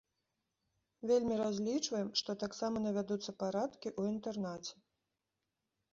Вельмі разлічваем, што таксама навядуцца парадкі ў інтэрнаце.